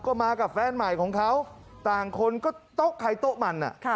ก็มากับแฟนใหม่ของเขาต่างคนก็ต๊อกไข่โต๊ะมันอ่ะค่ะ